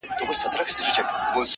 که غزلي د شېراز لال و مرجان دي,